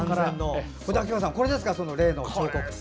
これですか、例の彫刻。